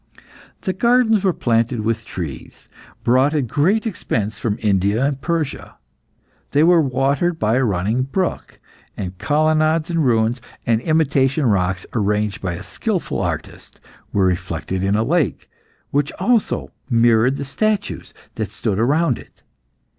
The gardens were planted with trees, brought at great expense from India and Persia. They were watered by a running brook, and colonnades in ruins, and imitation rocks, arranged by a skilful artist, were reflected in a lake, which also mirrored the statues that stood round it.